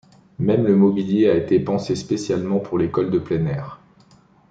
Même le mobilier a été pensé spécialement pour l'école de plein air.